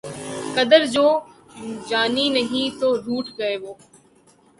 قدر جو جانی نہیں تو روٹھ گئے وہ